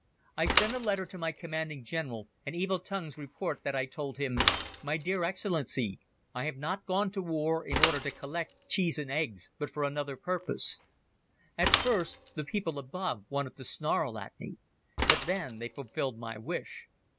I sent a letter to my Commanding General and evil tongues report that I told him: "My dear Excellency! I have not gone to war in order to collect cheese and eggs, but for another purpose." At first, the people above wanted to snarl at me. But then they fulfilled my wish.